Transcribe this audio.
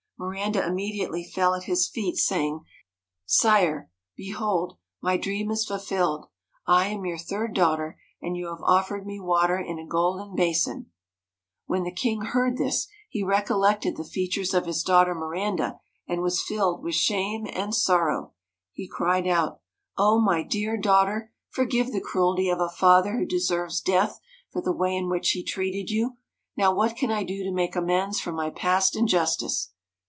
Miranda immediately fell at his feet, saying :' Sire ! behold, my dream is fulfilled. I am your third daughter, and you have offered me water in a golden basin.' When the king heard this he recollected the features of his daughter Miranda, and was filled with shame and sorrow. He cried out :' O my dear daughter! forgive the cruelty of a father who deserves death for the way in which he treated you. Now what can I do to make amends for my past injustice